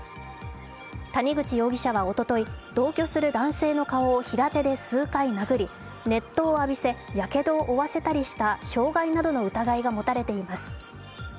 谷口容疑者はおととい、同居する男性の顔を平手で数回殴り熱湯を浴びせ、やけどを負わせたりした傷害などの疑いが持たれています。